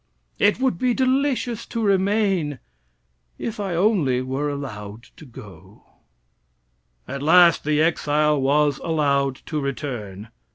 It would be delicious to remain if I only were allowed to go." At last the exile was allowed to return.